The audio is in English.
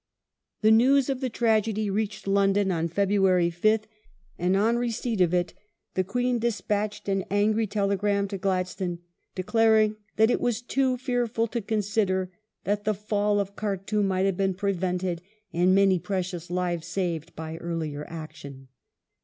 The news of the tragedy reached London on February 5th, and Death of on receipt of it the Queen despatched an angry telegram to Glad ^^''^^o" stone declaring that "it was too fearful to consider that the fall of Khartoum might have been prevented and many precious lives saved by earlier action".